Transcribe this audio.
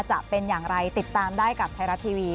จะเป็นอย่างไรติดตามได้กับไทยรัฐทีวี